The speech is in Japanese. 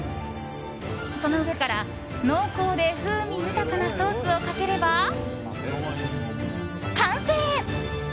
その上から濃厚で風味豊かなソースをかければ、完成！